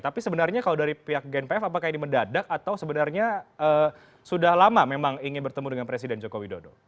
tapi sebenarnya kalau dari pihak gnpf apakah ini mendadak atau sebenarnya sudah lama memang ingin bertemu dengan presiden joko widodo